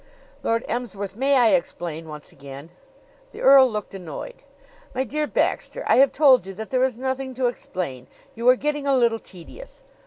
"Lord Emsworth, may I explain once again?" The earl looked annoyed. "My dear Baxter, I have told you that there is nothing to explain. You are getting a little tedious.